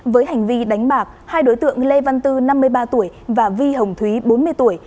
với hành vi đánh bạc hai đối tượng lê văn tư năm mươi ba tuổi và vi hồng thúy bốn mươi tuổi